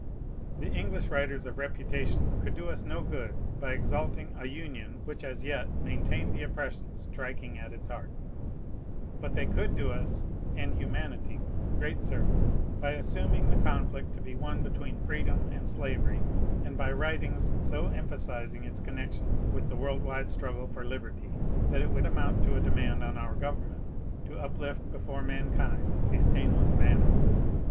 The English writers of reputation could do us no good by exalting a Union which as yet maintained the oppression striking at its heart, but they could do us and humanity great service by assuming the conflict to be one between freedom and slavery, and by writings so emphasizing its connection with the world wide struggle for liberty that it would amount to a demand on our government to uplift before mankind a stainless banner.